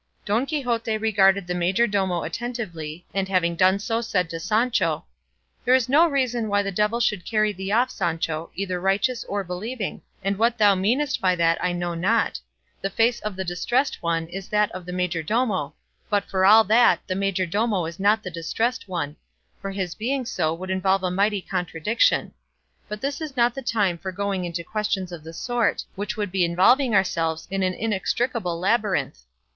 Don Quixote regarded the majordomo attentively, and having done so, said to Sancho, "There is no reason why the devil should carry thee off, Sancho, either righteous or believing and what thou meanest by that I know not; the face of the Distressed One is that of the majordomo, but for all that the majordomo is not the Distressed One; for his being so would involve a mighty contradiction; but this is not the time for going into questions of the sort, which would be involving ourselves in an inextricable labyrinth.